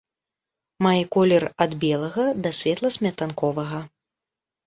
Мае колер ад белага да светла-сметанковага.